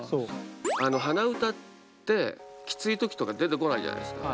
鼻歌ってきつい時とか出てこないじゃないですか。